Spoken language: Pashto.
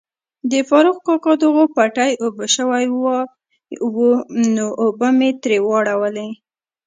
د فاروق کاکا دغو پټی اوبه شوای وو نو اوبه می تري واړولي.